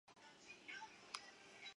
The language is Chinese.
多做为下杂鱼处理。